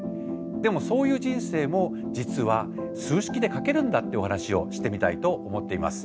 でもそういう人生も実は数式で書けるんだってお話をしてみたいと思っています。